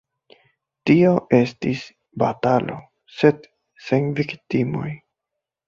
Tio estis batalo, sed sen viktimoj.